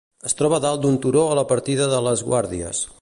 Es troba dalt d'un turó a la partida de "Les Guàrdies".